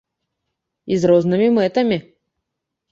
І з рознымі мэтамі.